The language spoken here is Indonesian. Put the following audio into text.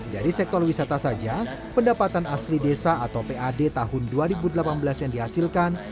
dari sektor wisata saja pendapatan asli desa atau pad tahun dua ribu delapan belas yang dihasilkan